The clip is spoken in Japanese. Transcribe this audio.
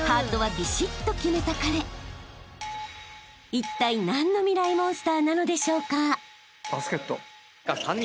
［いったい何のミライ☆モンスターなのでしょうか？］